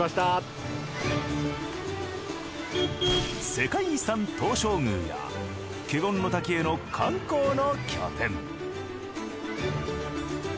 世界遺産東照宮や華厳の滝への観光の拠点。